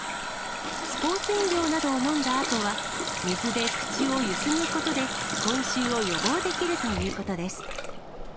スポーツ飲料などを飲んだあとは、水で口をゆすぐことで、口臭を予防できるということです。